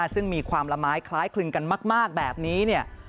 ซึ่งมีความละไม้คล้ายคลึงกันมากแบบนี้